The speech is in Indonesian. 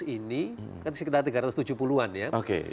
empat ratus ini sekitar tiga ratus tujuh puluh an ya